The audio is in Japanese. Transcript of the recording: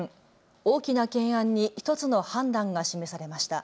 大きな懸案に１つの判断が示されました。